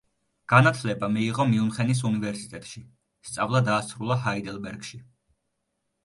განათლება მიიღო მიუნხენის უნივერსიტეტში; სწავლა დაასრულა ჰაიდელბერგში.